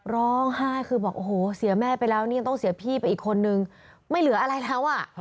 ร้องไห้คือบอกโอ้โหเสียแม่ไปแล้วนี่ยังต้องเสียพี่ไปอีกคนนึงไม่เหลืออะไรแล้วอ่ะ